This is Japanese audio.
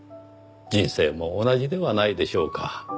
人生も同じではないでしょうか。